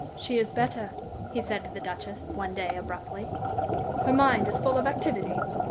"She is better," he said to the Duchess one day, abruptly. "Her mind is full of activity.